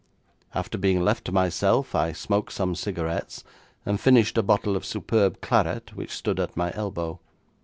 After being left to myself I smoked some cigarettes, and finished a bottle of superb claret which stood at my elbow.